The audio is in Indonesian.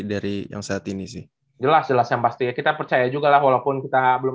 dari yang saat ini sih jelas jelas yang pasti ya kita percaya juga lah walaupun kita belum